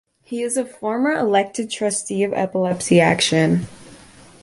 He is a former elected Trustee of Epilepsy Action.